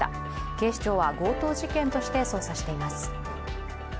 警視庁は強盗事件として捜査しています。